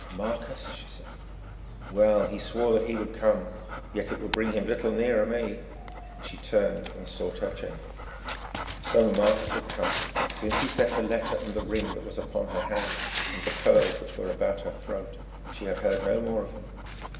"Marcus?" she said. "Well, he swore that he would come, yet it will bring him little nearer me;" and she turned and sought her chamber. So Marcus had come. Since he sent the letter and the ring that was upon her hand, and the pearls which were about her throat, she had heard no more of him.